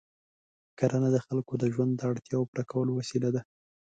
کرنه د خلکو د ژوند د اړتیاوو پوره کولو وسیله ده.